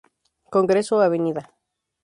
Congreso, Av.